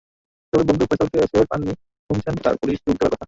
তবে বন্ধু ফয়সালকে এসে পাননি, শুনেছেন তাঁর পুলিশে যোগ দেওয়ার কথা।